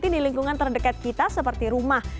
di lingkungan terdekat kita seperti rumah